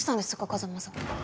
風真さん。